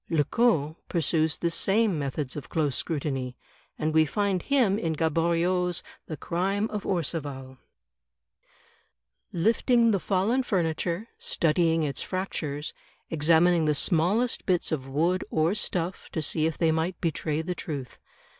Lecoq pursues the same methods of close scrutiny, and we find him in Gaboriau's "The Crime of Orcival/' ".... lifting the fallen furniture, studing its fractures, examining the smallest bits of wood or stuff to see if they might betray the truth.